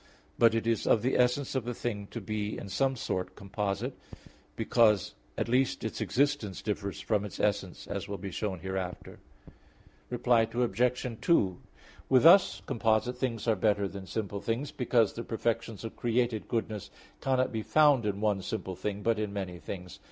But it is of the essence of a thing to be in some sort composite; because at least its existence differs from its essence, as will be shown hereafter, (Q. 4, A. 3). Reply Obj. 2: With us composite things are better than simple things, because the perfections of created goodness cannot be found in one simple thing, but in many things.